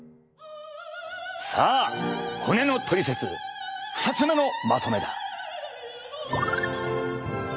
さあ骨のトリセツ２つ目のまとめだ。